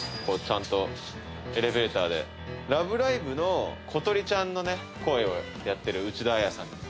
こうちゃんとエレベーターで「ラブライブ！」のことりちゃんのね声をやってる内田彩さん